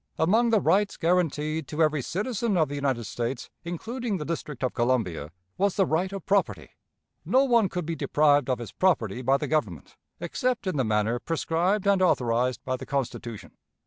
Among the rights guaranteed to every citizen of the United States, including the District of Columbia, was the right of property. No one could be deprived of his property by the Government, except in the manner prescribed and authorized by the Constitution.